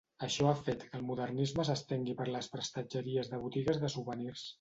Això ha fet que el Modernisme s'estengui per les prestatgeries de les botigues de souvenirs.